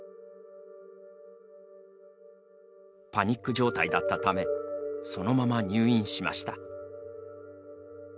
パニック状態だったためそのまま入院しました。